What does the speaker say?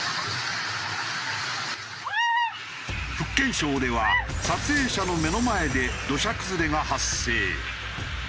福建省では撮影者の目の前で土砂崩れが発生。